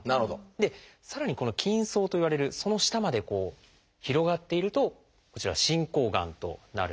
でさらにこの「筋層」といわれるその下まで広がっているとこちらは進行がんとなるんです。